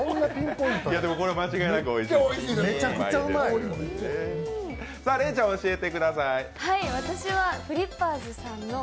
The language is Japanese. でも、これは間違いなくおいしいですね。